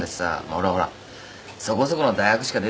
俺はほらそこそこの大学しか出てないから。